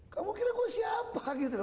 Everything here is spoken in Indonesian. kamu kira gue siapa gitu